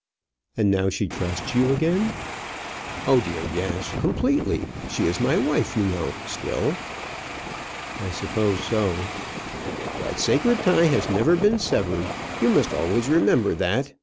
"And now she trusts you again?" "Oh dear, yes; completely. She is my wife, you know, still." "I suppose so." "That sacred tie has never been severed. You must always remember that.